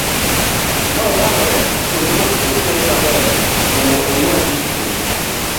Noruakore kendo otwere maber mondo oyua ji kuome.